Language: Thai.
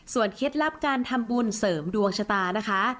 เคล็ดลับการทำบุญเสริมดวงชะตานะคะ